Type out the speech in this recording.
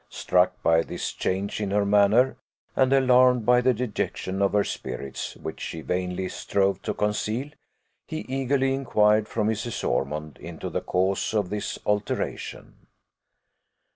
Struck by this change in her manner, and alarmed by the dejection of her spirits, which she vainly strove to conceal, he eagerly inquired, from Mrs. Ormond, into the cause of this alteration.